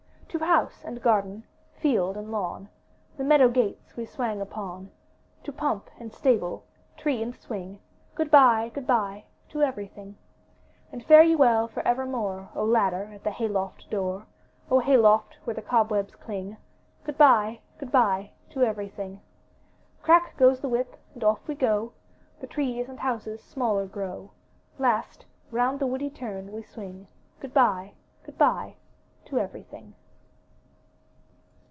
To house and garden, field and lawn. The meadow gates we swang upon, To pump and stable, tree and swing, Good bye, good bye, to everything! And fare you well for evermore, O ladder at the hayloft door, hayloft where the cobwebs cling, Good bye, good bye, to everything! Crack goes the whip, and off we go; The trees and houses smaller grow; Last, round the woody turn we swing; Good bye, good bye, to everything!